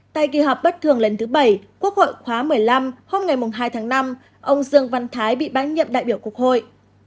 tại kỳ họp bất thường lần thứ bảy quốc hội khóa một mươi năm hôm hai tháng năm ông dương văn thái bị bãi nhiệm đại biểu quốc hội